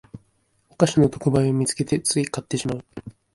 お菓子の特売を見つけてつい買ってしまう